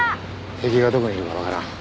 敵がどこにいるかわからん。